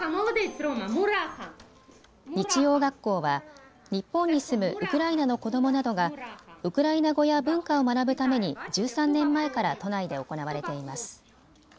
日曜学校は日本に住むウクライナの子どもなどがウクライナ語や文化を学ぶために１３年前から都内で行われています。